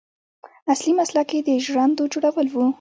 اصلي مسلک یې د ژرندو جوړول و.